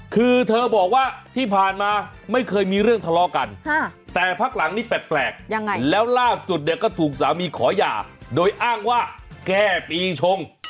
คือเธอบอกว่าที่ผ่านมาไม่เคยมีเรื่องทะเลาะกันแต่พักหลังนี้แปลกยังไงแล้วล่าสุดเนี่ยก็ถูกสามีขอหย่าโดยอ้างว่าแก้ปีชง